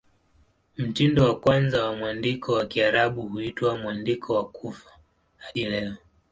Mtindo wa kwanza wa mwandiko wa Kiarabu huitwa "Mwandiko wa Kufa" hadi leo.